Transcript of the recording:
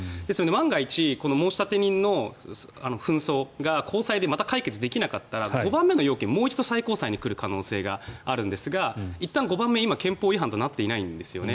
万が一、申立人の紛争が高裁でまた解決できなかったら５番目の要件はもう一度、最高裁に来る可能性があるんですがいったん５番目今、憲法違反となっていないんですね。